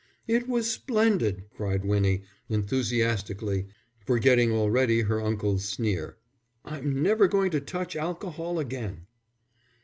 "It was splendid," cried Winnie, enthusiastically, forgetting already her uncle's sneer. "I'm never going to touch alcohol again."